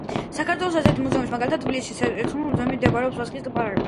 საქართველოში ასეთი მუზეუმის მაგალითია თბილისის ეთნოგრაფიული მუზეუმი მდებარე ვაკის პარკში.